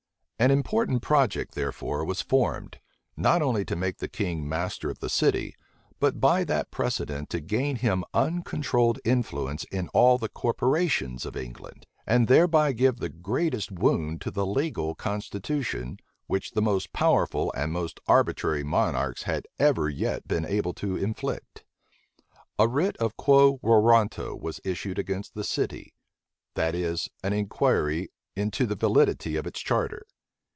An important project, therefore, was formed, not only to make the king master of the city, but by that precedent to gain him uncontrolled influence in all the corporations of England, and thereby give the greatest wound to the legal constitution, which the most powerful and most arbitrary monarchs had ever yet been able to inflict. A writ of quo warranto was issued against the city; that is, an inquiry into the validity of its charter.